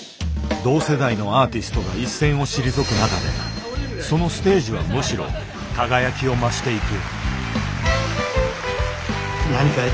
同世代のアーティストが一線を退く中でそのステージはむしろ輝きを増していく。